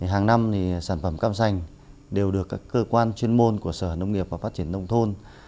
hàng năm sản phẩm cam sành đều được các cơ quan chuyên môn của sở nông nghiệp và phát triển nông thôn